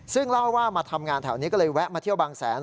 ซึ่งเล่าว่ามาทำงานแถวนี้ก็เลยแวะมาเที่ยวบางแสน